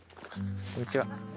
こんにちは。